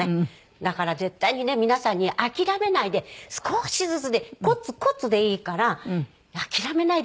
だから絶対にね皆さんに諦めないで少しずつでコツコツでいいから諦めないでやってほしい。